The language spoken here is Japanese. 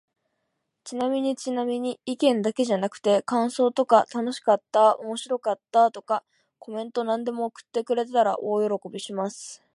ちなみにちなみに、意見だけじゃなくて感想とか楽しかった〜おもろかった〜とか、コメントなんでも送ってくれたら大喜びします。